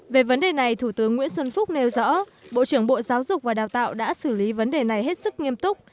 về vấn đề này thủ tướng nguyễn xuân phúc nêu rõ bộ trưởng bộ giáo dục và đào tạo đã xử lý vấn đề này hết sức nghiêm túc